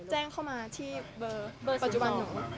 แจ้งเข้ามาที่เบอร์ปัจจุบันหนู